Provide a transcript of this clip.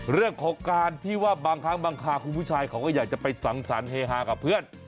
เรื่องของการที่ว่าบางครั้งบางคราคุณผู้ชายเขาก็อยากจะไปสังสรรคเฮฮากับเพื่อน